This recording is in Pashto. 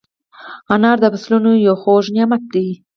انار د فصلونو یو خوږ نعمت دی.